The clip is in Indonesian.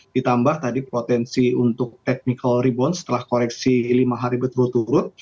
ditambah tadi potensi untuk technical rebound setelah koreksi lima hari berturut turut